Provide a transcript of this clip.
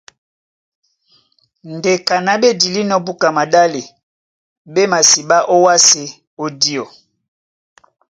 Ndé kaná ɓé dilínɔ̄ búka maɗále, ɓé masiɓá ówásē ó diɔ.